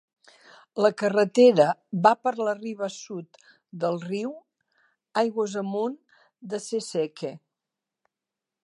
La carretera va per la riba sud del riu, aigües amunt de Sesheke.